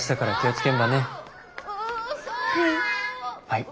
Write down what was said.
はい。